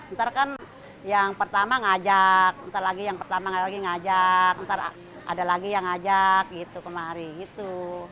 ntar kan yang pertama ngajak ntar lagi yang pertama lagi ngajak ntar ada lagi yang ngajak gitu kemari gitu